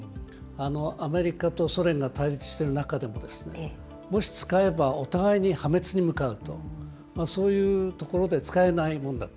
アメリカとソ連が対立している中でも、もし使えば、お互いに破滅に向かうと、そういうところで使えないもんだと。